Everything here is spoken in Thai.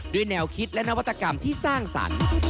แนวคิดและนวัตกรรมที่สร้างสรรค์